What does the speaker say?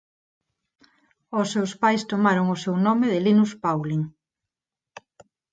Os seus pais tomaron o seu nome de Linus Pauling.